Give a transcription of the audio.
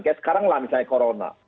kayak sekarang lah misalnya corona